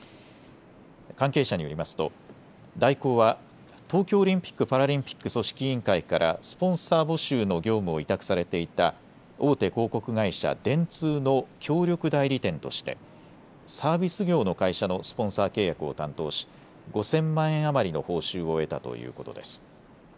関係者によりますと大広は東京オリンピック・パラリンピック組織委員会からスポンサー募集の業務を委託されていた大手広告会社、電通の協力代理店としてサービス業の会社のスポンサー契約を担当し５０００万円余りの報酬を得たということです。